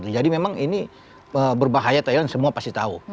jadi memang ini berbahaya thailand semua pasti tahu